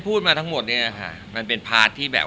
เพราะเหตุการณ์มันเกิดขึ้นที่นู้น